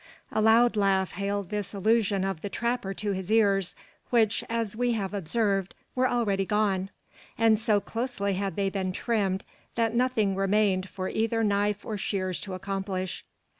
A loud laugh hailed this allusion of the trapper to his ears, which, as we have observed, were already gone; and so closely had they been trimmed that nothing remained for either knife or shears to accomplish.